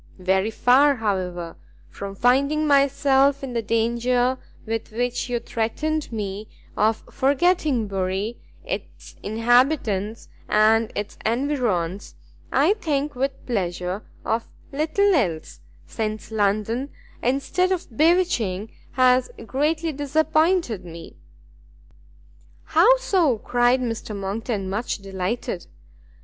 Very far, however, from finding myself in the danger with which you threatened me, of forgetting Bury, its inhabitants and its environs, I think with pleasure of little else, since London, instead of bewitching, has greatly disappointed me." "How so?" cried Mr Monckton, much delighted.